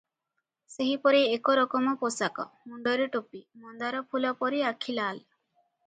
ସେହିପରି ଏକ ରକମ ପୋଷାକ, ମୁଣ୍ଡରେ ଟୋପି, ମନ୍ଦାରଫୁଲ ପରି ଆଖି ଲାଲ ।